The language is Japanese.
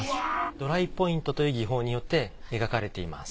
ドライポイントという技法によって描かれています。